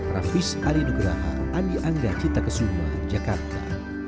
rafis ali nugraha andi angga cita kesungguhan jakarta